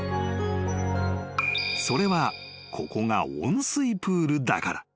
［それはここが温水プールだから］